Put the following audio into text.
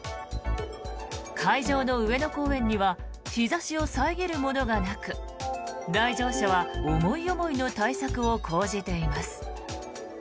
会場の上野公園には日差しを遮るものがなく来場者は思い思いの対策を講じています。